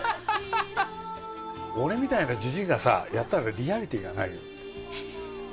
俺みたいなじじいがさ、やったらリアリティーがないって。